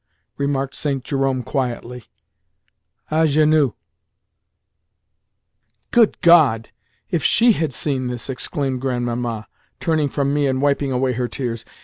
_" remarked St. Jerome quietly, "A genoux!" "Good God! If she had seen this!" exclaimed Grandmamma, turning from me and wiping away her tears.